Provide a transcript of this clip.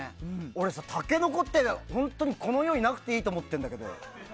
俺タケノコって、この世になくていいって思ってるんだけど。